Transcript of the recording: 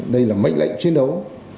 đây là mấy lệnh chiến đấu